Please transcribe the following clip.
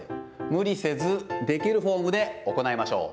無理せずできるフォームで行いましょう。